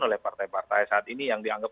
oleh partai partai saat ini yang dianggap